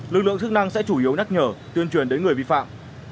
lực lượng chức năng sẽ chủ yếu nhắc nhở tuyên truyền đến người vi phạm